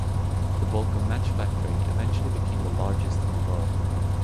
The Vulcan match factory eventually became the largest in the world.